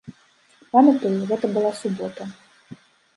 Памятаю, гэта была субота.